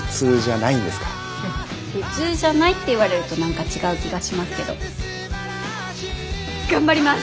普通じゃないって言われると何か違う気がしますけど頑張ります！